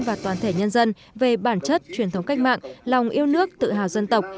và toàn thể nhân dân về bản chất truyền thống cách mạng lòng yêu nước tự hào dân tộc